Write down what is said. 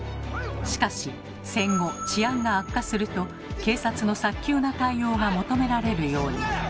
しかし戦後治安が悪化すると警察の早急な対応が求められるように。